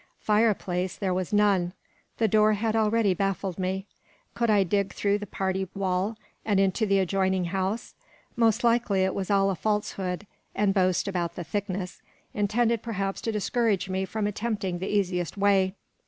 Fireplace there was none; the door had already baffled me; could I dig through the party wall, and into the adjoining house? Most likely it was all a falsehood and boast about the thickness, intended perhaps to discourage me from attempting the easiest way.